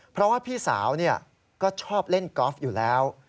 เพราะว่าพี่สาวก็ชอบเล่นกอล์ฟอยู่แล้ว